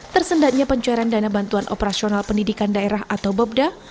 tersendatnya pencairan dana bantuan operasional pendidikan daerah atau bobda